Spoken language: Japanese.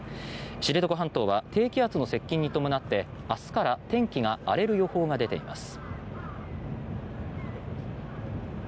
知床半島は低気圧の接近に伴って明日から天気が荒れる予報が出ています。